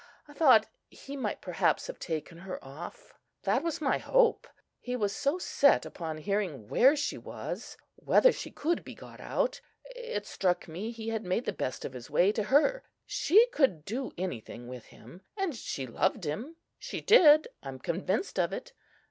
I thought he might perhaps have taken her off—that was my hope. He was so set upon hearing where she was, whether she could be got out. It struck me he had made the best of his way to her. She could do anything with him. And she loved him, she did!—I'm convinced of it!